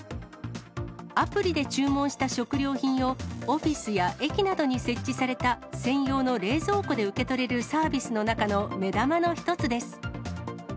アプリで注文した食料品を、オフィスや駅などに設置された専用の冷蔵庫で受け取れるサービスの中の目玉の一つです。